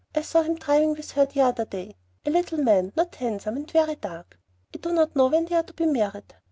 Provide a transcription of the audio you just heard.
I saw him driving with her the other day, a little man, not handsome, and very dark. I do not know when they are to be married.